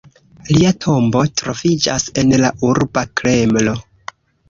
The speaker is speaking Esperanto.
Lia tombo troviĝas en la urba Kremlo.